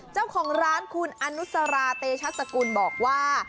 เจ้าของร้านคุณอนุสราเตชัสสกุลบอกว่า